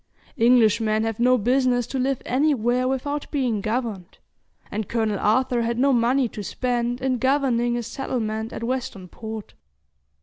Englishmen have no business to live anywhere without being governed, and Colonel Arthur had no money to spend in governing a settlement at Western Port.